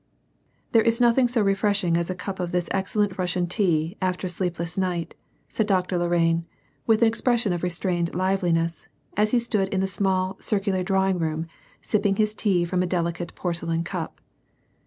" There is nothing so refi eshing as a cup of this excellent Russian tea, after a sleepless night," ♦ said Doctor Lorraine, with an expression of restrained liveliness, as he stood in the small, circular drawing room, sipping his tea from a delicate porcelain cup.